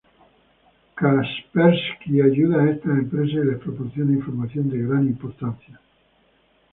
Kaspersky ayuda a estas empresas y les proporciona información de gran importancia.